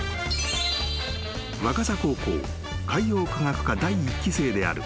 ［若狭高校海洋科学科第１期生である彼女］